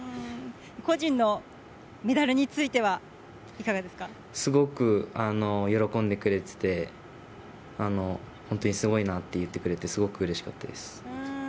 個人のメダルについてはいかすごく喜んでくれてて、本当にすごいなって言ってくれて、すごくうれしかったです。